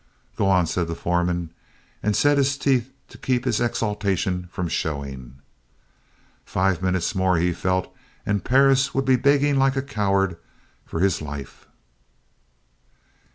"Go on," said the foreman, and set his teeth to keep his exultation from showing. Five minutes more, he felt, and Perris would be begging like a coward for his life.